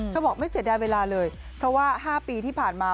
บอกไม่เสียดายเวลาเลยเพราะว่า๕ปีที่ผ่านมา